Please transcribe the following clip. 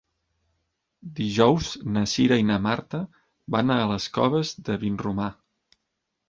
Dijous na Cira i na Marta van a les Coves de Vinromà.